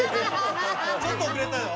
ちょっと遅れたよ。